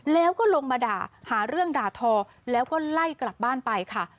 แล้วก็ลงมาด่าหาเรื่องด่าทอแล้วก็ไล่กลับบ้านไปค่ะ